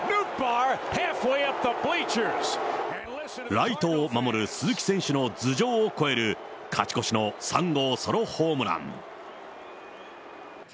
ライトを守る鈴木選手の頭上を越える勝ち越しの３号ソロホームラン。